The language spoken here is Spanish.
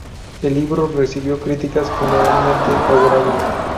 El libro recibió críticas generalmente favorables.